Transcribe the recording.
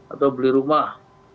atau beli rumah